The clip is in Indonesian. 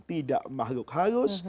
tidak mahluk halus